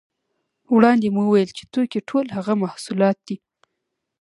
وړاندې مو وویل چې توکي ټول هغه محصولات دي